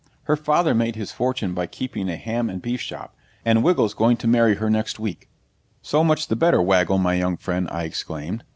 Her father made his fortune by keeping a ham and beef shop, and Wiggle's going to marry her next week.' 'So much the better, Waggle, my young friend,' I exclaimed.